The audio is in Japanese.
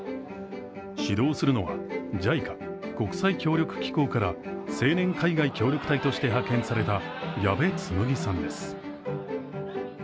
指導するのは、ＪＩＣＡ＝国際協力機構から青年海外協力隊として派遣された矢部紬さんです。